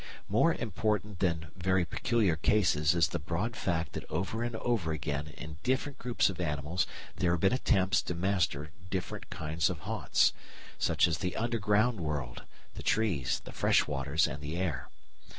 More important than very peculiar cases is the broad fact that over and over again in different groups of animals there have been attempts to master different kinds of haunts such as the underground world, the trees, the freshwaters, and the air.